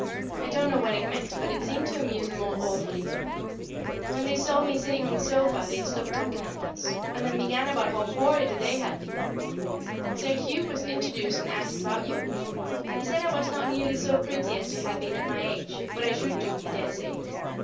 I don't know what it meant, but it seemed to amuse them all awfully. [Sidenote: The Perfect Height] When they saw me sitting on the sofa they stopped talking at once, and then began about how horrid the day had been; and Sir Hugh was introduced and asked about you. He said I was not nearly so pretty as you had been at my age, but I should do, he dared say.